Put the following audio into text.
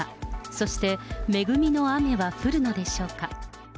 そして、恵みの雨は降るのでしょうか。